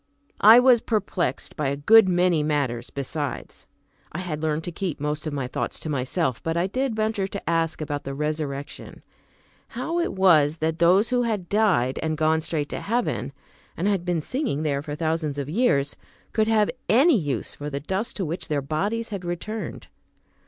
I was perplexed by a good many matters besides. I had learned to keep most of my thoughts to myself, but I did venture to ask about the Ressurrection how it was that those who had died and gone straight to heaven, and had been singing there for thousands of years, could have any use for the dust to which their bodies had returned.